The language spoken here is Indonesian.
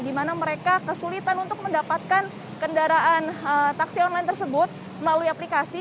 di mana mereka kesulitan untuk mendapatkan kendaraan taksi online tersebut melalui aplikasi